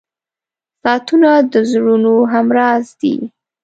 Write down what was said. • ساعتونه د زړونو همراز دي.